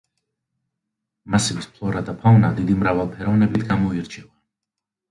მასივის ფლორა და ფაუნა დიდი მრავალფეროვნებით გამოირჩევა.